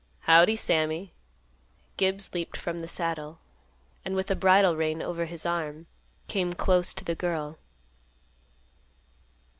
"Howdy, Sammy." Gibbs leaped from the saddle, and, with the bridle rein over his arm, came close to the girl.